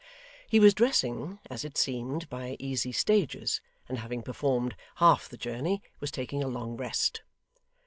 He was dressing, as it seemed, by easy stages, and having performed half the journey was taking a long rest.